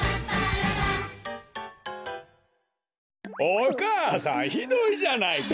お母さんひどいじゃないか！